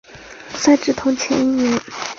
赛制同前一年。